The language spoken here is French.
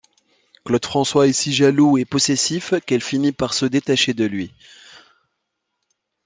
Claude François est si jaloux et possessif qu'elle finit par se détacher de lui.